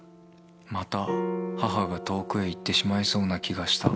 また、母が遠くへ行ってしまいそうな気がした。